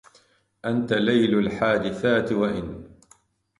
أنتَ ليلُ الحادِثاتِ وإن